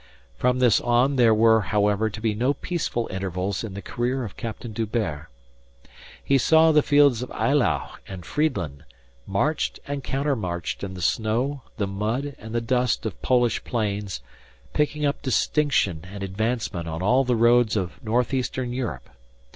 From this on there were, however, to be no peaceful intervals in the career of Captain D'Hubert. He saw the fields of Eylau and Friedland, marched and countermarched in the snow, the mud, and the dust of Polish plains, picking up distinction and advancement on all the roads of northeastern Europe.